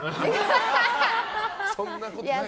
そんなことない。